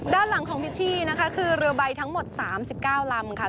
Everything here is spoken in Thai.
ด้านหลังของพิชชี่นะคะคือเรือใบทั้งหมด๓๙ลำค่ะ